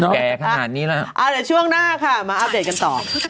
แก่ขนาดนี้แล้วเอาเดี๋ยวช่วงหน้าค่ะมาอัปเดตกันต่อ